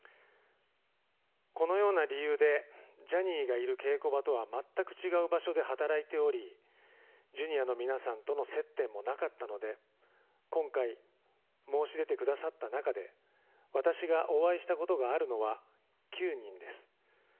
このような理由でジャニーがいる稽古場とは全く違う場所で働いており、ジュニアの皆さんとの接点もなかったので、今回、申し出てくださった中で、私がお会いしたことがあるのは９人です。